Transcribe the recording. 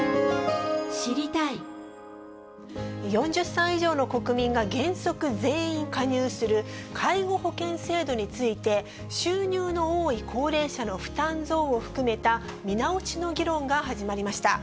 ４０歳以上の国民が原則全員加入する介護保険制度について、収入の多い高齢者の負担増を含めた、見直しの議論が始まりました。